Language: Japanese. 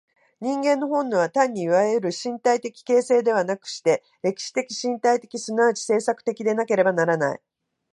人間の本能は単にいわゆる身体的形成ではなくして、歴史的身体的即ち制作的でなければならない。